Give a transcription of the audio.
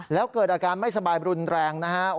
แล้วเกิดอาการไม่สบายรุนแรงนะฮะ